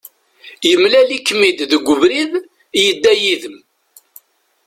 Yemlal-ikem-id deg ubrid, yedda yid-m.